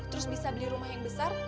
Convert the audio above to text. terus bisa beli rumah yang besar